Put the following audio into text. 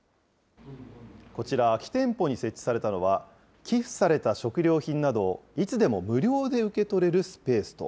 こちら、空き店舗に設置されたのは、寄付された食料品などをいつでも無料で受け取れるスペースと。